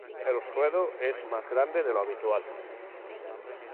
El ruedo es más grande de lo habitual.